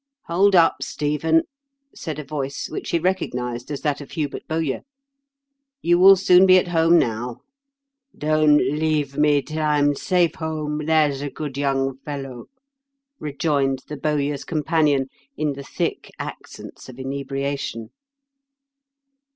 " Hold up, Stephen !" said a voice which he , recognised as that of Hubert Bowyer. "You will soon be at home now.'' "Don't leave me till I am safe home, there's a good young fellow 1 " rejoined the bowyer's companion, in the thick accents of inebriation.